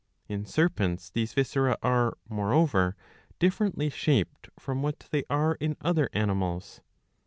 In serpents these viscera are, moreover, differently shaped from what they are in other animals.